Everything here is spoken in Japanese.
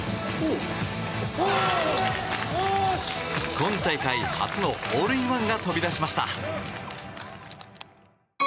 今大会初のホールインワンが飛び出しました。